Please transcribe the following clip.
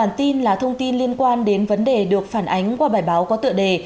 bản tin là thông tin liên quan đến vấn đề được phản ánh qua bài báo có tựa đề